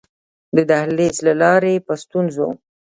د دهلېز له لارې په ستونزو.